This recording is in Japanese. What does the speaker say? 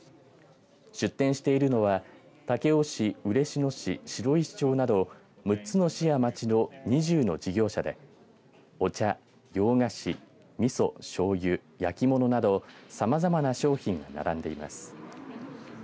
出展しているのは武雄市、嬉野市白石町など６つの市や町の２０の事業者でお茶、洋菓子みそ・しょうゆ焼き物などさまざまな商品が並んでいます。